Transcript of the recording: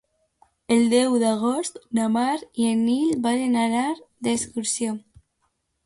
El deu d'agost na Mar i en Nil volen anar d'excursió.